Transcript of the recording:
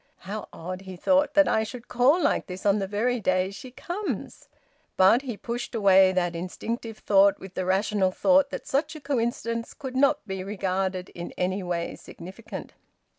"How odd," he thought, "that I should call like this on the very day she comes!" But he pushed away that instinctive thought with the rational thought that such a coincidence could not be regarded as in any way significant.